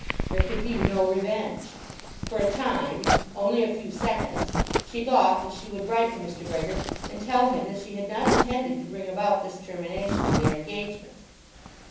There could be no revenge. For a time, only for a few seconds, she thought that she would write to Mr. Brehgert and tell him that she had not intended to bring about this termination of their engagement.